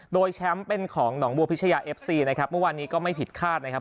โดยแชมป์เป็นของหนองบัวพิชยาเอฟซีนะครับเมื่อวานนี้ก็ไม่ผิดคาดนะครับ